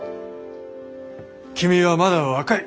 君はまだ若い。